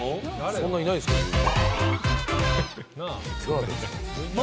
そんないないですけれども。